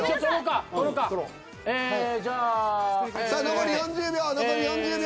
残り４０秒残り４０秒。